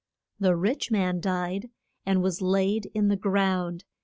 The rich man died and was laid in the ground.